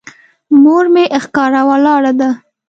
مور مې ښکاره ولاړه ده.